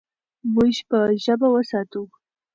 موږ به ژبه وساتو.